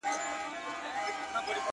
سترگي لكه دوې ډېوې،